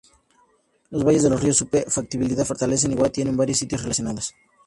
Los valles de los ríos Supe, Pativilca, Fortaleza y Huaura tienen varios sitios relacionados.